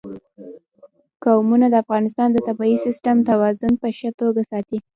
قومونه د افغانستان د طبعي سیسټم توازن په ښه توګه ساتي.